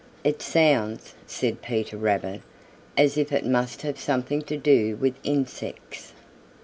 "It sounds," said Peter Rabbit, "as if it must have something to do with insects."